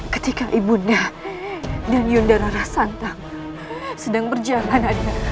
ketika ibunda dan yundara rasantang sedang berjalan